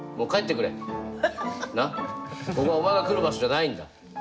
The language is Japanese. ここはお前が来る場所じゃないんだ。